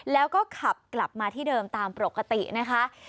แล้วก็ขับกลับมาที่เดิมตามปกตินะคะ